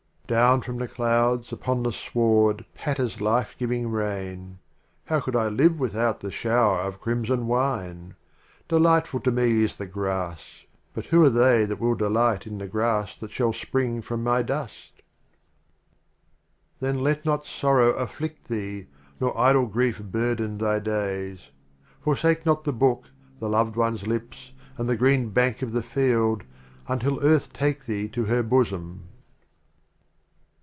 Down from the Clouds upon the Sward patters Life giving Rain. How could I live without the Shower of Crimson Wine ? Delightful to me is the Grass; — But who are they that will delight in the Grass that shall spring from my Dust? 57 XXIV. The Literal Then let not Sorrow afflidt thee, Omar Nor Idle Grief burden thy days. Forsake not the Book, the Loved One's Lips and the Green Bank of the Field Until Earth take thee to her Bosom.